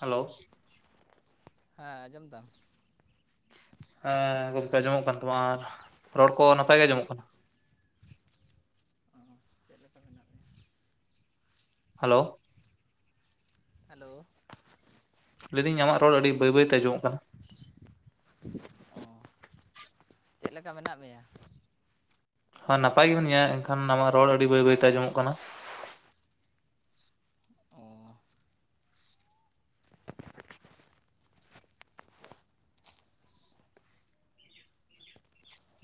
Hello, ᱦᱮᱸ ᱟᱸᱡᱚᱢ ᱫᱟᱢ, ᱦᱮᱸ ᱜᱚᱢᱠᱮ ᱟᱸᱡᱚᱢᱚᱜ ᱠᱟᱱ ᱛᱟᱢᱟ ᱟᱨ ᱨᱚᱲ ᱠᱚ ᱱᱟᱯᱟᱭ ᱜᱮ ᱟᱸᱡᱚᱢᱚᱜ ᱠᱟᱱᱟᱹ [inaudible] [inaudible] ᱦᱮᱞᱳ, ᱦᱮᱞᱳ, ᱞᱟᱹᱭ ᱫᱟᱹᱧ ᱟᱢᱟᱜ ᱨᱚᱲ ᱟᱹᱰᱤ ᱵᱟᱹᱭ ᱵᱟᱹᱭ ᱛᱮ ᱟᱸᱚᱢᱚᱜ ᱠᱟᱱᱟ, ᱚ ᱪᱮᱫ ᱞᱮᱠᱟ ᱢᱮᱱᱟᱜ ᱢᱮᱭᱟ? ᱦᱳᱭ ᱱᱟᱯᱟᱭ ᱜᱮ ᱢᱮᱱᱟᱧ-ᱟ ᱮᱱᱠᱷᱟᱱ ᱟᱢᱟᱜ ᱨᱚᱲ ᱟᱹᱰᱤ ᱵᱟᱹᱭ ᱵᱟᱹᱭ ᱛᱮ ᱟᱸᱡᱚᱢᱚᱜ ᱠᱟᱱᱟ, ᱚ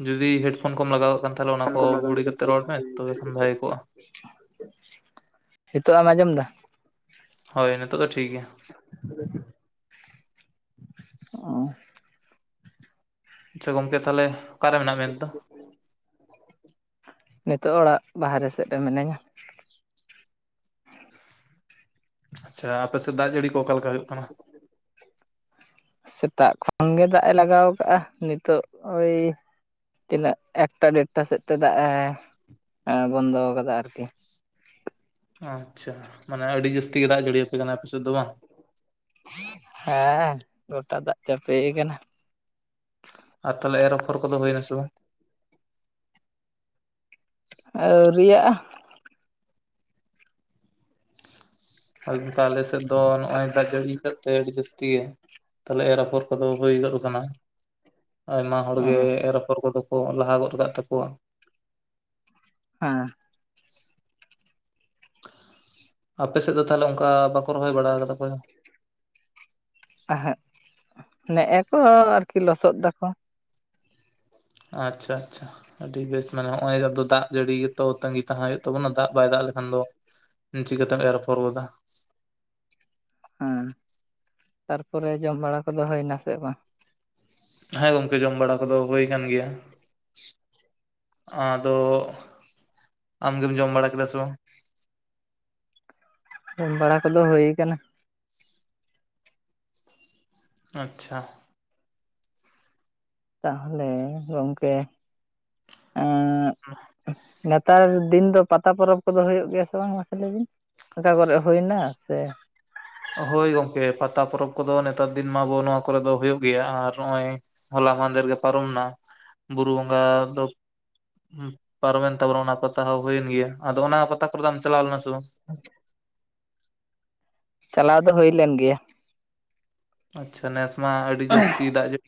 ᱡᱩᱫᱤ ᱦᱮᱰᱯᱷᱳᱱ ᱠᱚᱢ ᱞᱟᱜᱟᱣ ᱠᱟᱜ ᱠᱷᱟᱱ ᱛᱟᱦᱚᱞᱮ ᱚᱱᱟ ᱠᱚ ᱵᱷᱩᱲᱤ ᱠᱟᱛᱮ ᱨᱚᱲ ᱢᱮ ᱛᱚᱵᱮ ᱠᱷᱟᱱ ᱵᱷᱟᱹᱜᱮ ᱠᱚᱜᱼᱟ, ᱱᱤᱛᱳᱜ ᱮᱢ ᱟᱸᱡᱚᱢ ᱫᱟ? ᱦᱳᱭ ᱱᱤᱛᱚᱜ ᱫᱚ ᱴᱷᱤᱠ ᱜᱮᱭᱟ, [unintelligible] ᱚᱸ ᱟᱪᱷᱟ ᱜᱚᱝᱠᱮ ᱛᱟᱦᱚᱞᱮ ᱚᱠᱟᱨᱮ ᱢᱮᱱᱟᱜ ᱢᱮᱭᱟ ᱱᱤᱛ ᱫᱚ? ᱱᱤᱛᱚᱜ ᱚᱲᱟᱜ ᱵᱟᱦᱮᱨᱮ ᱥᱮᱫ ᱨᱮ ᱢᱤᱱᱟᱹᱧᱟ, ᱟᱪᱷᱟ ᱟᱯᱮ ᱥᱮᱫ ᱫᱟᱜ ᱡᱟᱹᱲᱤ ᱠᱚ ᱚᱠᱟᱞᱮᱠᱟ ᱦᱩᱭᱩᱜ ᱠᱟᱱᱟ? ᱥᱮᱛᱟᱜ ᱠᱷᱚᱱ ᱜᱮ ᱫᱟᱜ ᱮ ᱞᱟᱜᱟᱣ ᱠᱟ, ᱜᱼᱟ ᱱᱤᱛᱚᱜ ᱳᱭ ᱛᱤᱱᱟᱹᱜ ᱮᱠᱴᱟ ᱰᱮᱲᱴᱟ ᱥᱮᱫ ᱛᱮ ᱫᱟᱜ ᱮ ᱵᱚᱱᱫᱚ ᱠᱟᱫᱟ ᱟᱨᱠᱤ, ᱟᱪᱷᱟ ᱢᱟᱱᱮ ᱟᱹᱰᱤ ᱡᱟᱹᱥᱛᱤ ᱜᱮ ᱫᱟᱜ ᱮ ᱡᱟᱹᱲᱤ ᱟᱯᱮ ᱠᱟᱱᱟ ᱟᱯᱮ ᱥᱮᱫ ᱫᱚ ᱵᱟᱝ, ᱦᱮᱸ ᱜᱚᱴᱟ ᱫᱟᱜ ᱪᱟᱯᱮ ᱠᱟᱱᱟ, ᱟᱨ ᱛᱟᱦᱚᱞᱮ ᱮᱨ ᱚᱯᱷᱚᱨ ᱠᱚᱫᱚ ᱦᱩᱭ ᱱᱟ ᱥᱮ ᱵᱟᱝ, ᱟᱹᱣᱨᱤ ᱭᱟᱜ-ᱟ, ᱦᱟᱠᱠᱟ ᱟᱞᱮ ᱥᱮᱫ ᱫᱚ ᱱᱚᱜ-ᱚᱭ ᱫᱟᱜ ᱡᱟᱹᱲᱤ ᱠᱟᱫ ᱛᱮ ᱟᱹᱰᱤ ᱡᱟᱹᱥᱛᱤ ᱛᱟᱦᱚᱞᱮ ᱮᱨ ᱟᱯᱷᱚᱨ ᱠᱚᱫᱚ ᱦᱩᱭ ᱜᱚᱫ ᱟᱠᱟᱱᱟ, ᱟᱭᱢᱟ ᱦᱚᱲᱜᱮ ᱮᱨ ᱟᱯᱷᱚᱲ ᱠᱚᱫᱚ ᱠᱚ ᱞᱟᱦᱟ ᱜᱚᱫ ᱠᱟᱜ ᱛᱟᱠᱚᱣᱟ, ᱦᱮᱸ ᱟᱯᱮ ᱥᱮᱫ ᱫᱚ ᱛᱟᱦᱚᱞᱮ ᱚᱱᱠᱟ ᱵᱟᱠᱚ ᱨᱚᱦᱚᱭ ᱵᱟᱲᱟ ᱠᱟᱫᱟ ᱠᱚ ᱚᱠᱚᱭ ᱦᱚᱸ? ᱮᱦᱮᱜ ᱱᱮᱜ ᱮ ᱠᱚ ᱟᱨᱠᱤ ᱞᱚᱥᱚᱫ ᱫᱟᱠᱚ, ᱟᱪᱷᱟ ᱟᱪᱷᱟ, ᱟᱹᱰᱤ ᱵᱮᱥ ᱢᱟᱱᱮ ᱱᱚᱜ ᱚᱭ ᱡᱮ ᱟᱫᱚ ᱫᱟᱜ ᱡᱟᱹᱲᱤ ᱜᱮᱛᱚ ᱛᱟᱹᱜᱤ ᱛᱟᱦᱮᱸ ᱦᱩᱭᱩᱜ ᱛᱟᱵᱚᱱᱟ ᱫᱟᱜ ᱵᱟᱭ ᱫᱟᱜ ᱞᱮᱠᱷᱟᱱ ᱫᱚ, ᱪᱤᱠᱟᱹᱛᱮᱢ ᱮᱨ ᱯᱚᱨ ᱜᱚᱫᱟ, ᱦᱮᱸ ᱛᱟᱨᱯᱚᱨᱮ ᱡᱚᱢ ᱵᱟᱲᱟ ᱠᱚᱫᱚ ᱦᱩᱭᱱᱟ ᱥᱮ ᱵᱟᱝ? ᱦᱮᱸ ᱜᱚᱝᱠᱮ ᱡᱚᱢ ᱵᱟᱲᱟ ᱠᱚᱫᱚ ᱦᱳᱭ ᱟᱠᱟᱱ ᱜᱮᱭᱟ, ᱟᱫᱚ ᱟᱢ ᱜᱮᱢ ᱡᱚᱢ ᱵᱟᱲᱟ ᱠᱤᱫᱟ ᱥᱮ ᱵᱟᱝ? ᱡᱚᱢ ᱵᱟᱲᱟ ᱠᱚᱫᱚ ᱦᱳᱭ ᱠᱟᱱᱟ, ᱟᱪᱷᱟ, ᱛᱟᱦᱚᱞᱮ ᱜᱚᱝᱠᱮ, ᱱᱮᱛᱟᱨ ᱫᱤᱱ ᱫᱚ ᱯᱟᱛᱟ ᱯᱚᱨᱚᱵᱽ ᱠᱚᱫᱚ ᱦᱩᱭᱩᱜ ᱜᱮᱭᱟ ᱥᱮ ᱵᱟᱝ ᱢᱟᱥᱮ ᱞᱟᱹᱭ ᱵᱤᱱ? ᱚᱠᱟ ᱠᱚᱨᱮ ᱦᱩᱭ ᱱᱟ ᱥᱮ, ᱦᱳᱭ ᱜᱚᱝᱠᱮ ᱯᱟᱛᱟ ᱯᱚᱨᱚᱵᱽ ᱠᱚᱫᱚ ᱱᱮᱛᱟᱨ ᱫᱤᱱ ᱢᱟ ᱟᱵᱚ ᱱᱚᱶᱟ ᱠᱚᱨᱮ ᱫᱚ ᱦᱩᱭᱩᱜ ᱜᱮᱭᱟ ᱟᱨ ᱱᱚᱜ-ᱚᱭ, ᱦᱚᱞᱟ ᱢᱟᱦᱫᱮᱨᱜᱮ ᱯᱟᱨᱚᱢᱱᱟ ᱵᱩᱨᱩ ᱵᱚᱸᱜᱟ ᱫᱚ ᱯᱟᱨᱚᱢᱮᱱ ᱛᱟᱵᱚᱱᱟ ᱚᱱᱟ ᱯᱟᱛᱟ ᱦᱚᱸ ᱦᱩᱭᱮᱱ ᱜᱮᱭᱟ ᱟᱫᱚ ᱚᱱᱟ ᱯᱟᱛᱟ ᱠᱚᱨᱮ ᱫᱚ ᱟᱢ ᱮᱢ ᱪᱟᱞᱟᱣ ᱞᱮᱱᱟ ᱥᱮ ᱵᱟᱝ, [inaudible] ᱪᱟᱞᱟᱣ ᱫᱚ ᱦᱩᱭ ᱞᱮᱱ ᱜᱮᱭᱟ, ᱟᱪᱷᱟ ᱱᱮᱥ ᱢᱟ ᱟᱹᱰᱤ ᱡᱟᱹᱥᱛᱤ ᱫᱟᱜ ᱡᱟᱹᱲᱤ,